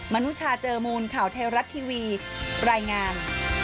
นุชาเจอมูลข่าวไทยรัฐทีวีรายงาน